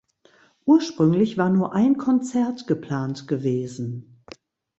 Ursprünglich war nur ein Konzert geplant gewesen.